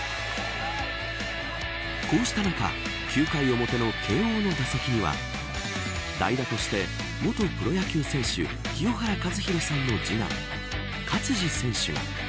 こうした中９回表の慶応の打席には代打として、元プロ野球選手清原和博さんの次男勝児選手が。